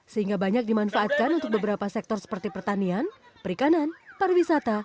sehingga banyak dimanfaatkan untuk beberapa sektor seperti pertanian perikanan pariwisata